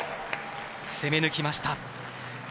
攻め抜きました。